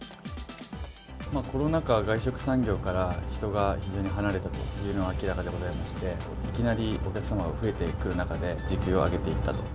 コロナ禍、外食産業から人が非常に離れたというのは明らかでございまして、いきなりお客様が増えていく中で、時給を上げていったと。